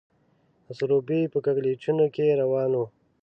د سروبي په کږلېچونو کې روان وو.